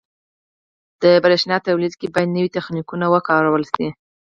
• د برېښنا تولید کې باید نوي تخنیکونه وکارول شي.